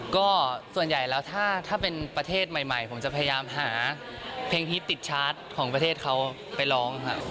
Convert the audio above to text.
ก็ส่วนใหญ่แล้วถ้าเป็นประเทศใหม่ผมจะพยายามหาเพลงฮิตติดชาร์จของประเทศเขาไปร้องครับ